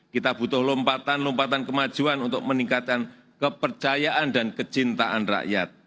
kita butuh lompatan lompatan kemajuan untuk meningkatkan kepercayaan dan kecintaan rakyat